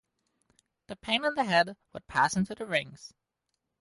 The pain in the head would pass into the rings.